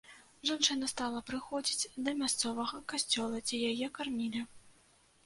Жанчына стала прыходзіць да мясцовага касцёла, дзе яе кармілі.